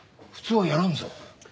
普通はやらんぞ。